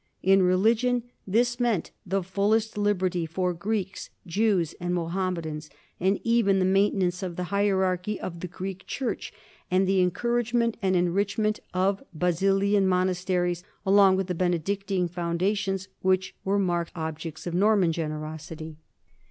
In religion this meant the full est liberty for Greeks, Jews, and Mohammedans, and even the maintenance of the hierarchy of the Greek Church and the encouragement and enrichment of Basilian monasteries along with the Benedictine foun dations which were marked objects of Norman generos ity.